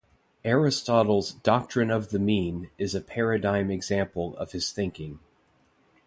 Aristotle's "Doctrine of the Mean" is a paradigm example of his thinking.